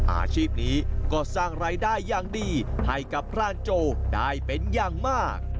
อาชีพนี้ก็สร้างรายได้อย่างดีให้กับพรานโจได้เป็นอย่างมาก